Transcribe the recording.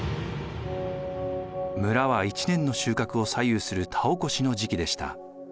村は１年の収穫を左右する田おこしの時期でした。